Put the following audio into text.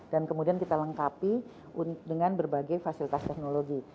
dan kemudian kita lengkapi dengan berbagai fasilitas teknologi